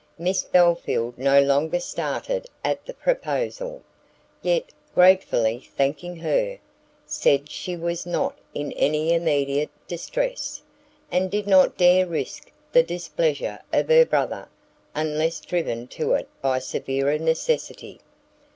Miss Belfield no longer started at the proposal; yet, gratefully thanking her, said she was not in any immediate distress, and did not dare risk the displeasure of her brother, unless driven to it by severer necessity.